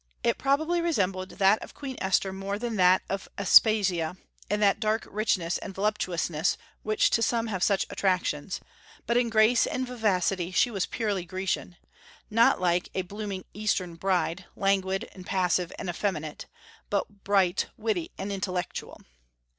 It probably resembled that of Queen Esther more than that of Aspasia, in that dark richness and voluptuousness which to some have such attractions; but in grace and vivacity she was purely Grecian, not like a "blooming Eastern bride," languid and passive and effeminate, but bright, witty, and intellectual.